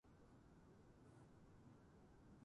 野獣先輩イキスギ